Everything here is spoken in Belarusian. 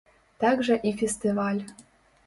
Так жа і фестываль.